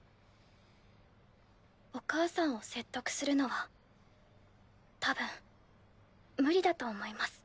お母さんを説得するのはたぶん無理だと思います。